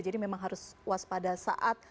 jadi memang harus waspada saat